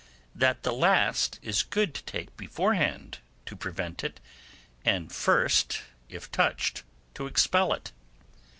that the last is good to take beforehand to prevent it, and the first, if touched, to expel it.